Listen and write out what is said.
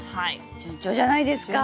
順調じゃないですか。